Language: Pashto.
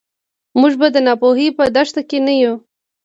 موږ به د ناپوهۍ په دښته کې نه یو.